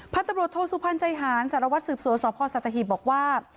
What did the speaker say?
พัทรบรวจโทษสุภัณฑ์ใจหารสารวัตรสืบสวสอบพ่อสัตหิบบอกว่า